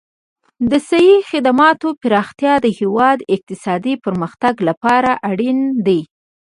د صحي خدماتو پراختیا د هېواد اقتصادي پرمختګ لپاره اړین دي.